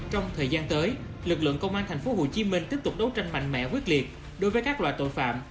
trong thời gian tới lực lượng công an tp hcm tiếp tục đấu tranh mạnh mẽ quyết liệt đối với các loại tội phạm